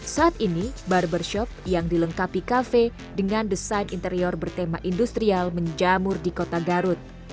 saat ini barbershop yang dilengkapi kafe dengan desain interior bertema industrial menjamur di kota garut